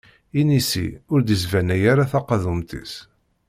Inisi ur d-isbanay ara taqadumt-is.